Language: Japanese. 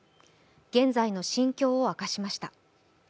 現在の心境を明かしました。